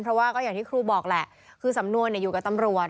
เพราะว่าก็อย่างที่ครูบอกแหละคือสำนวนอยู่กับตำรวจ